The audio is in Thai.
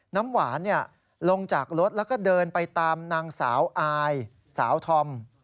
น้ำหวานลงจากรถแล้วก็เดินไปตามนางสาวอายสาวธอม